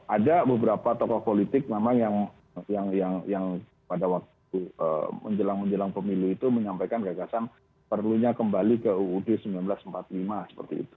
ada beberapa tokoh politik memang yang pada waktu menjelang menjelang pemilu itu menyampaikan gagasan perlunya kembali ke uud seribu sembilan ratus empat puluh lima seperti itu